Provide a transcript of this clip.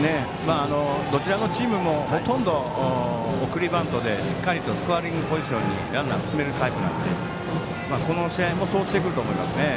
どちらのチームもほとんど送りバントでしっかりとスコアリングポジションにランナーを進めるタイプなのでこの試合もそうしてくると思いますね。